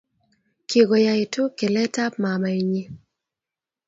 kigoyagiitu kelekab mamaenyi